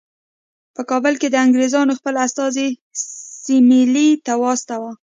په کابل کې د انګریزانو خپل استازی سیملې ته واستاوه.